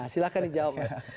silahkan dijawab mas